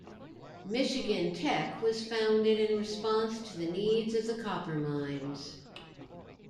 Michigan Tech was founded in response to the needs of the copper mines.